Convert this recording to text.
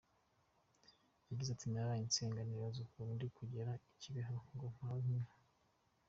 Yagize ati “Naraye nsenga nibaza ukuntu ndi bugere i Kibeho ngo mpabwe inka.